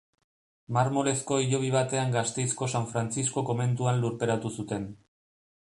Marmolezko hilobi batean Gasteizko San Frantzisko komentuan lurperatu zuten.